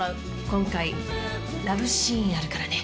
今回ラブシーンあるからね。